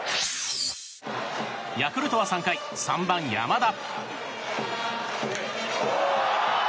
ヤクルトは３回３番、山田。